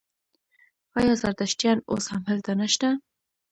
آیا زردشتیان اوس هم هلته نشته؟